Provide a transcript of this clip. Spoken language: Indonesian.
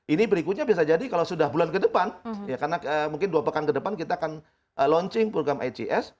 ini berikutnya bisa jadi kalau sudah bulan ke depan karena mungkin dua pekan ke depan kita akan launching program ics